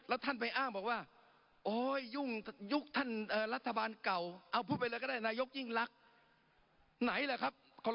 แล้วท่านไปอ้างบอกว่าอ้อยยุ่งให้รัฐบาลเก่า